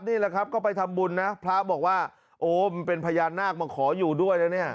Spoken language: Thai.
นี่แหละครับก็ไปทำบุญนะพระบอกว่าโอ้มันเป็นพญานาคมาขออยู่ด้วยนะเนี่ย